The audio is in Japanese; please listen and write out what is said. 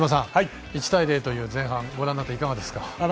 １対０という前半ご覧になっていかがですか？